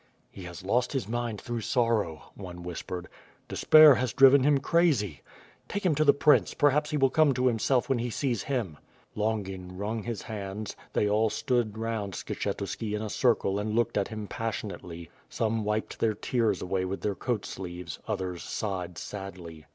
"He has lost his mind through sorrow," one whispered. "Despair has driven him crazy." "Take him to the prince; perhaps he will come to himself when he sees him." 203 WITH FIRE AND SWORD. Longin wrung his hands; they all stood round Skshetuski in a circle and looked at him passionately. Some wiped their tears away with their coat sleeves; others sighed sadly.